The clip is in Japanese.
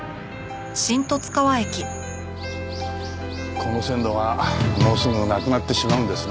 この線路がもうすぐなくなってしまうんですね。